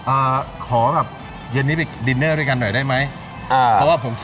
อ่าขอแบบเย็นนี้ไปดินเนอร์ด้วยกันหน่อยได้ไหม